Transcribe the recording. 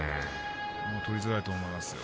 取りづらいと思いますよ。